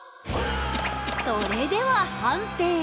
それでは判定！